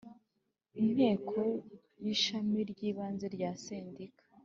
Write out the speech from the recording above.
inteko y ishami ry ibanze rya sendika